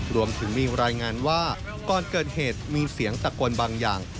รวมถึงมีรายงานว่าก่อนเกิดเหตุมีเสียงตะโกนบางอย่าง